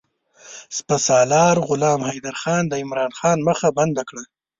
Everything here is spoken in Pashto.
سپه سالار غلام حیدرخان د عمرا خان مخه بنده کړه.